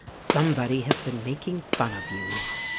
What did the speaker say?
Somebody has been making fun of you."